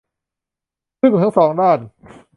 ซึ่งทั้งสองด้าน